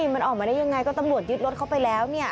มันออกมาได้ยังไงก็ตำรวจยึดรถเข้าไปแล้ว